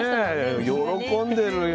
喜んでるよ。